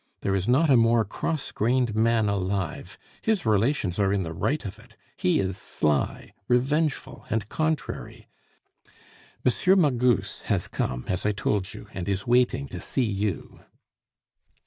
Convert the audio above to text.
There is not a more cross grained man alive; his relations are in the right of it, he is sly, revengeful, and contrairy.... M. Magus has come, as I told you, and is waiting to see you."